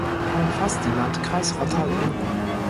Er umfasst den Landkreis Rottal-Inn.